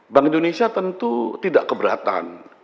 bank indonesia tentu tidak keberatan